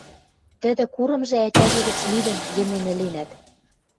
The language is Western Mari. Тӹдӹ курымжы ӓтяжӹ гӹц лӱдӹн, йӹмен ӹленӓт